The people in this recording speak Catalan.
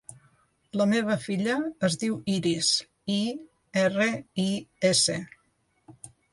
La meva filla es diu Iris: i, erra, i, essa.